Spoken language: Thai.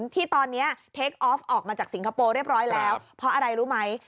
ที่ตอนนี้เทคออฟออกมาจากสิงคโปร์เรียบร้อยแล้วเพราะอะไรรู้ไหม